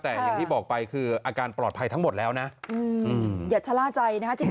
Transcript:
แต่อย่างที่บอกไปคืออาการปลอดภัยทั้งหมดแล้วนะ